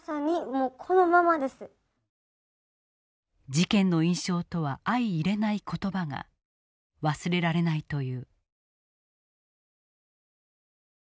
事件の印象とは相いれない言葉が忘れられないと言う。